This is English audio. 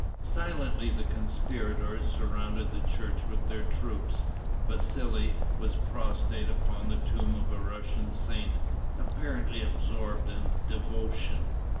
Silently the conspirators surrounded the church with their troops. Vassali was prostrate upon the tomb of a Russian saint, apparently absorbed in devotion.